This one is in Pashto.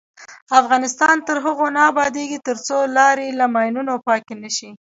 افغانستان تر هغو نه ابادیږي، ترڅو لارې له ماینونو پاکې نشي.